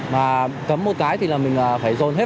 mà cấm một cái thì mình phải dồn hết